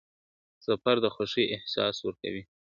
سفر د خوښۍ احساس ورکوي.